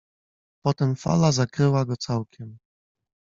Potem fala zakryła go całkiem.